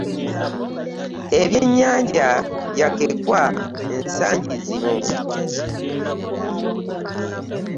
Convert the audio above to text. Eb'ennyanja bya kkekwa ensangi zino.